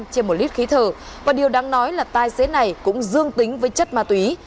trên một lít khí thở và điều đáng nói là tài xế này cũng dương tính với chất ma túy